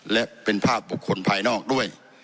และเป็นภาพบุคคลภายนอกด้วย